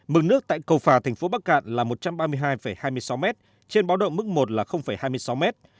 mưa nước tại cầu phà thành phố bắc cạn là một trăm ba mươi hai hai mươi sáu mét trên báo động mức một là hai mươi sáu mét